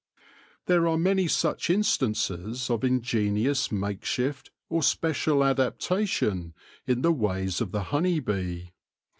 There are many such instances of ingenious makeshift, or special adaptation, in the ways of the honey bee.